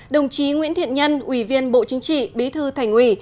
đồng chí nguyễn thiện nhân ủy viên bộ chính trị bí thư thành ủy